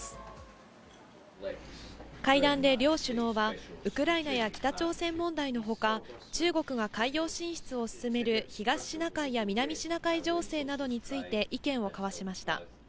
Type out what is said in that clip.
会談で両首脳は、ウクライナや北朝鮮問題のほか、中国が海洋進出を進める東シナ海や南シナ海情勢などについて、意見を交わしました。